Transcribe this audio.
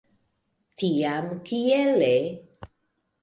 Tiam kiele?